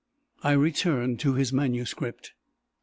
I return to his manuscript.